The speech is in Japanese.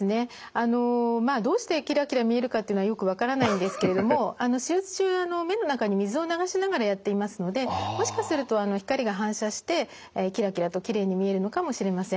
あのどうしてキラキラ見えるかっていうのはよく分からないんですけれども手術中の目の中に水を流しながらやっていますのでもしかすると光が反射してキラキラときれいに見えるのかもしれません。